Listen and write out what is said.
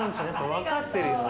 分かってるよね。